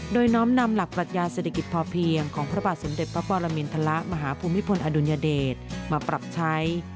โดยน้อมนำหลักปรัชญาเศรษฐกิจพอเพียงของพระบาทสมเด็จพระปรมินทรมาหาภูมิพลอดุลยเดชมาปรับใช้